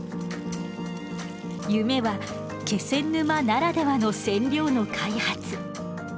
夢は気仙沼ならではの染料の開発。